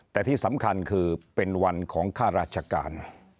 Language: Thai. แต่ที่สำคัญคือเป็นวันของข้าราชการ